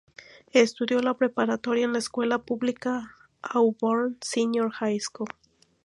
Estudió la preparatoria en la escuela pública Auburn Senior High School.